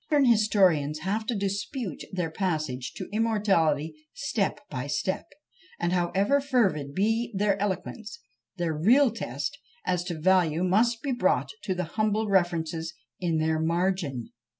Modern historians have to dispute their passage to immortality step by step; and however fervid be their eloquence, their real test as to value must be brought to the humble references in their margin.